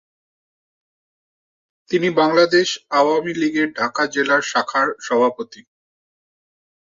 তিনি বাংলাদেশ আওয়ামী লীগের ঢাকা জেলার শাখার সভাপতি।